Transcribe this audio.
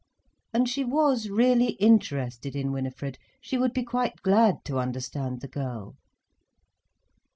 And she was really interested in Winifred, she would be quite glad to understand the girl.